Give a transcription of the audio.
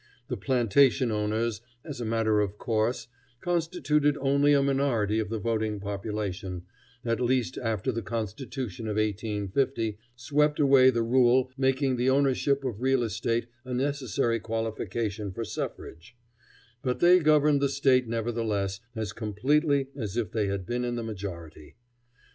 The plantation owners, as a matter of course, constituted only a minority of the voting population, at least after the constitution of 1850 swept away the rule making the ownership of real estate a necessary qualification for suffrage; but they governed the State nevertheless as completely as if they had been in the majority.